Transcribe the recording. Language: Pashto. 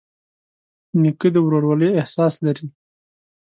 نیکه د ورورولۍ احساس لري.